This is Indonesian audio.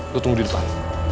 gue tunggu di depan